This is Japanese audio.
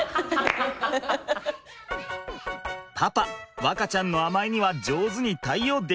パパ和花ちゃんの甘えには上手に対応できるかな？